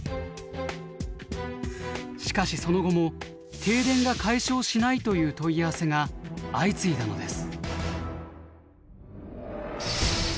しかしその後も停電が解消しないという問い合わせが相次いだのです。